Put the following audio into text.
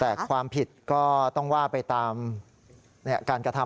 แต่ความผิดก็ต้องว่าไปตามการกระทำ